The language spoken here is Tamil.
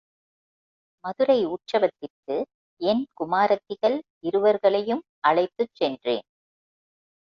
மதுரை உற்சவத்திற்கு என் குமாரத்திகள் இருவர்களையும் அழைத்துச் சென்றேன்.